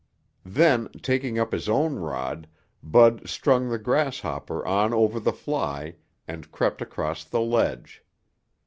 Then, taking up his own rod, Bud strung the grasshopper on over the fly and crept across the ledge.